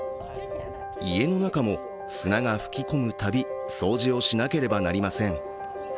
家の中も砂が吹き込むたび掃除をしなければなりません。